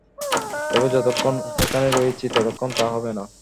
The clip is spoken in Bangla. তবে যতক্ষণ এখানে রয়েছি, ততক্ষণ তা হবে না।